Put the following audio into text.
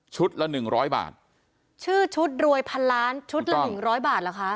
ละหนึ่งร้อยบาทชื่อชุดรวยพันล้านชุดละหนึ่งร้อยบาทเหรอคะ